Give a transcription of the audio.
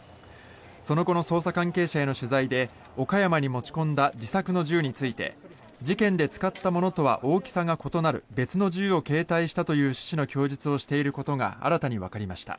その後の捜査関係者への取材で岡山に持ち込んだ自作の銃について事件で使ったものとは大きさが異なる別の銃を携帯したという趣旨の供述をしていることが新たにわかりました。